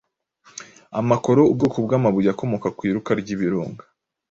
Amakoro ubwoko bw’amabuye akomoka ku iruka ry’ibirunga.